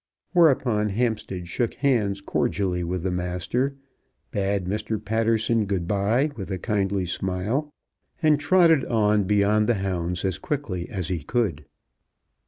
Whereupon Hampstead shook hands cordially with the Master, bade Mr. Patterson good bye with a kindly smile, and trotted on beyond the hounds as quickly as he could.